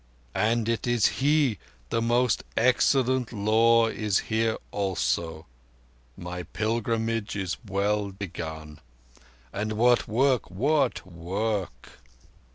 "And He is here! The Most Excellent Law is here also. My pilgrimage is well begun. And what work! What work!"